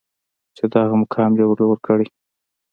چې دغه مقام يې ورله ورکړې.